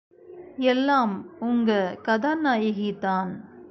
எல்லாம் உங்க கதாநாயகிதான்.